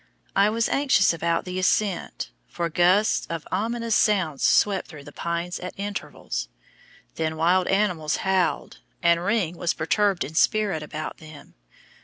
I was anxious about the ascent, for gusts of ominous sound swept through the pines at intervals. Then wild animals howled, and "Ring" was perturbed in spirit about them.